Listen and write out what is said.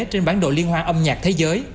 trên bản đội liên hoa âm nhạc thế giới